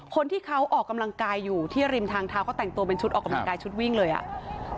คนที่เขาออกกำลังกายอยู่ที่ริมทางเท้าเขาแต่งตัวเป็นชุดออกกำลังกายชุดวิ่งเลยอ่ะ